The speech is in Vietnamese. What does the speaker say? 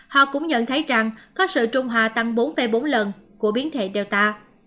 họ cũng nhận thấy rằng có sự trung hòa tăng bốn bốn lần của biến thể delta